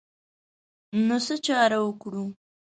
نو څه چاره وکړو.